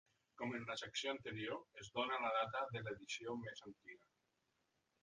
Com en la secció anterior, es dóna la data de l'edició més antiga.